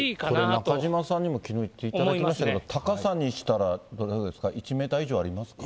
中島さんにも、きのう行っていただきましたけど、高さにしたらどれぐらいですか、１メートル以上ありますか？